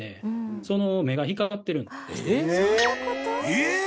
［えっ！